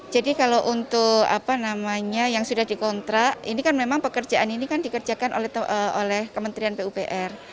jadi kalau untuk yang sudah dikontrak ini kan memang pekerjaan ini dikerjakan oleh kementerian pupr